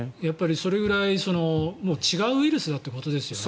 それぐらいもう違うウイルスだということですよね。